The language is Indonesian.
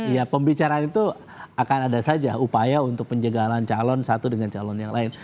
ya pembicaraan itu akan ada saja upaya untuk penjagalan calon satu dengan calon yang lain